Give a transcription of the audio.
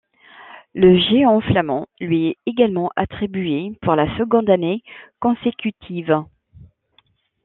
Le Géant flamand lui est également attribué pour la seconde année consécutive.